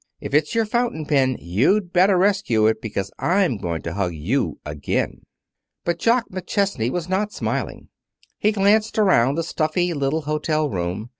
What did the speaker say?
If it's your fountain pen you'd better rescue it, because I'm going to hug you again." But Jock McChesney was not smiling. He glanced around the stuffy little hotel room.